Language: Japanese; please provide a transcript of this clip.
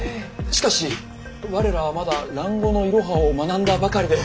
しかし我らはまだ蘭語のイロハを学んだばかりで。